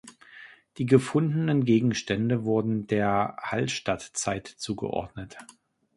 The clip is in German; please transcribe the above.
Die gefundenen Gegenstände wurden der Hallstattzeit zugeordnet.